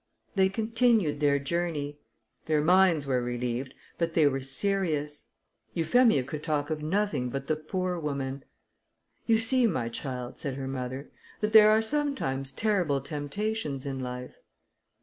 They continued their journey: their minds were relieved, but they were serious. Euphemia could talk of nothing but the poor woman. "You see, my child," said her mother, "that there are sometimes terrible temptations in life."